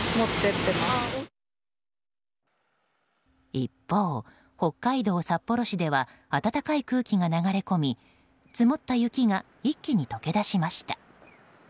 一方、北海道札幌市では暖かい空気が流れ込み積もった雪が一気に解け出しました。